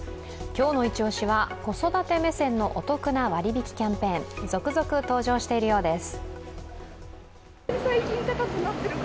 今日のイチ押しは子育て目線のお得な割引きキャンペーン続々、登場しているようです。